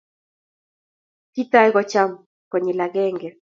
Kitoiy kocham konyil agenge